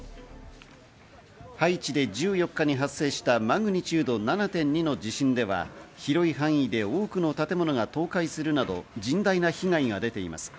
ハイチで１４日に発生したマグニチュード７．２の地震では、広い範囲で多くの建物が倒壊するなど、甚大な被害が出ています。